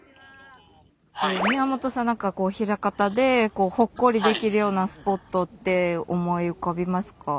宮本さん何かこう枚方でほっこりできるようなスポットって思い浮かびますか？